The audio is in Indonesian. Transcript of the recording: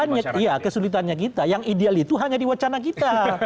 ya kesulitannya kita yang ideal itu hanya di wacana kita